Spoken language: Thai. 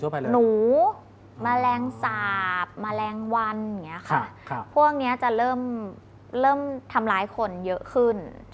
สัตว์หนูแมลงสาปแมลงวันพวกนี้จะเริ่มทำร้ายคนเยอะขึ้น